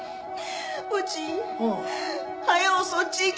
うち早うそっち行きたい。